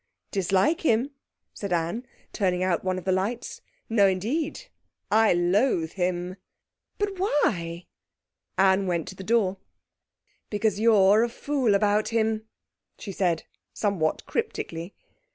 'Dislike him?' said Anne, turning out one of the lights. 'No, indeed! I loathe him!' 'But why?' Anne went to the door. 'Because you're a fool about him,' she said somewhat cryptically.